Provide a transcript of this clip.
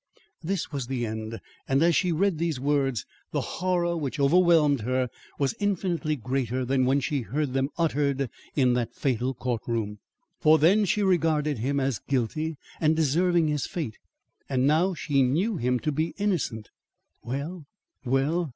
This was the end; and as she read these words, the horror which overwhelmed her was infinitely greater than when she heard them uttered in that fatal court room. For then she regarded him as guilty and deserving his fate and now she knew him to be innocent. Well, well!